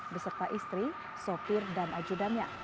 beserta istri sopir dan ajudannya